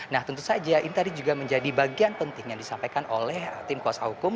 nah tentu saja ini tadi juga menjadi bagian penting yang disampaikan oleh tim kuasa hukum